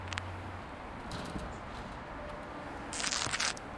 It is an example of an ouroboros.